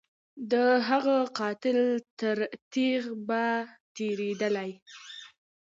د هغه قاتل تر تیغ به تیریدلای